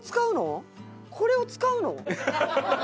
これを使うの？